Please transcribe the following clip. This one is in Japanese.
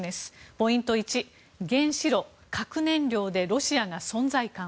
ポイント１、原子炉・核燃料でロシアが存在感。